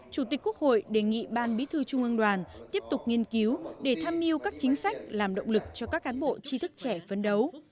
chủ tịch quốc hội đề nghị ban bí thư trung ương đoàn tiếp tục nghiên cứu để tham mưu các chính sách làm động lực cho các cán bộ tri thức trẻ phấn đấu